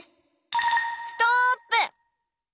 ストップ。